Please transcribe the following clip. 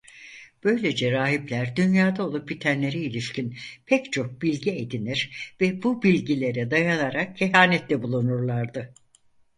Böylece rahipler dünyada olan bitenlere ilişkin pek çok bilgi edinir ve bu bilgilere dayanarak kehanette bulunurlardı.